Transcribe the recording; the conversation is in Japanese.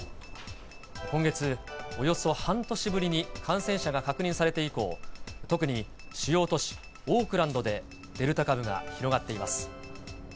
今月、およそ半年ぶりに感染者が確認されて以降、特に主要都市オークランドでデルタ株が広がっています。